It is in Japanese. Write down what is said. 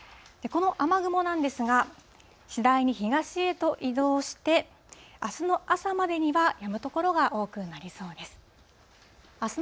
この雨雲なんですが、次第に東へと移動して、あすの朝までにはやむ所が多くなりそうです。